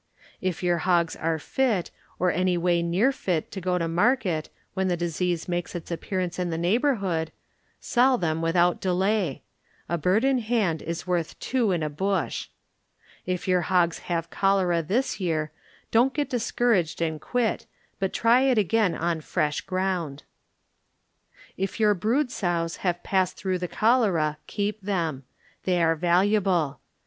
If your hogs are fit or any way near fit to go to mar ket when the disease makes its appear ' ance in the neighborhood, sell them with out delay. "A bird in hand is worth two in a bush." If your hogs have chol era this year, don't get discouraged and quit, but try it again, on fresh ground. If your brood sows have passed through the cholera, keep them ; they are valuable.